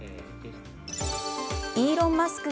イーロン・マスク